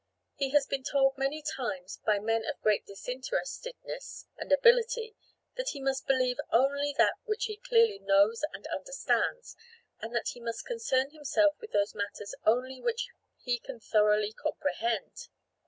He has been told many times by men of great disinterestedness and ability that he must believe only that which he clearly knows and understands, and that he must concern himself with those matters only which he can thoroughly comprehend.